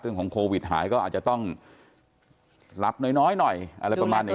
เรื่องของโควิดหายก็อาจจะต้องรับน้อยหน่อยอะไรประมาณอย่าง